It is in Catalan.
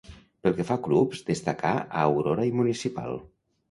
Pel que fa a clubs, destacà a Aurora i Municipal.